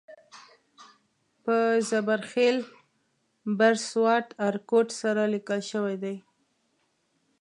په زبر خېل بر سوات ارکوټ سره لیکل شوی دی.